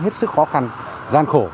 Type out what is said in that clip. hết sức khó khăn gian khổ